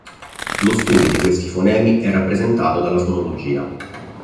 Lo studio di questi fonemi è rappresentato dalla fonologia.